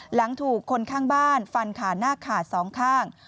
หลังถูกคนข้างบ้านฟันขาหน้าขาดสองข้าง